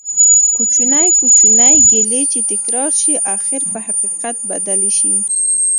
کوچنی کوچنی ګېلې چې تکرار شي ،اخير په حقيقت بدلي شي